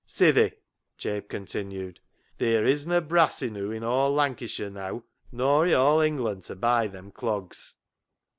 " Sithee," Jabe continued, " theer isna brass enoo i' all Lancashire, neaw, nor i' all England, to buy them clogs."